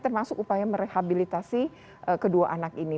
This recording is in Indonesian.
termasuk upaya merehabilitasi kedua anak ini